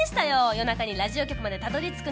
夜中にラジオ局までたどり着くの。